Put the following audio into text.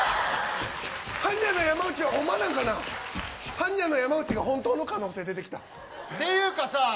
般若の山内はほんまなんかな般若の山内が本当の可能性出てきたていうかさ